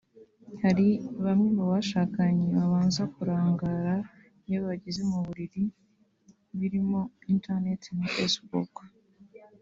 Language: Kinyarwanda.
hari bamwe mu bashakanye babanza kurangara iyo bageze mu buriri birimo ‘internet’ (nka ‘Facebook’)